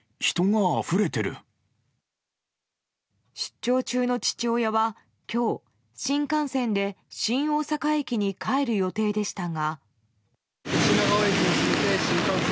出張中の父親は今日新幹線で新大阪駅に帰る予定でしたが。